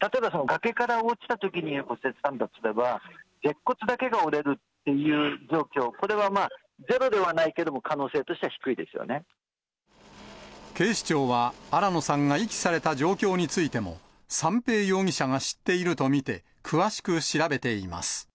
例えば崖から落ちたときに骨折したんだとしたら、舌骨だけが折れるという状況、これは、ゼロではないけれども、警視庁は、新野さんが遺棄された状況についても、三瓶容疑者が知っていると見て、詳しく調べています。